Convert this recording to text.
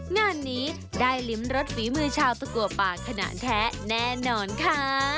งานนี้ได้ลิ้มรสฝีมือชาวตะกัวป่าขนาดแท้แน่นอนค่ะ